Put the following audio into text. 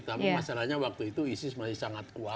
tapi masalahnya waktu itu isis masih sangat kuat